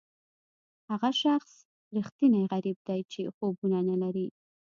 هغه شخص ریښتینی غریب دی چې خوبونه نه لري.